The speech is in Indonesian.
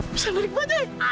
bisa narik baja ya